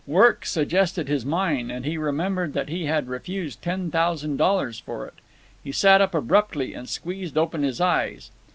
Work suggested his mine, and he remembered that he had refused ten thousand dollars for it. He sat up abruptly and squeezed open his eyes.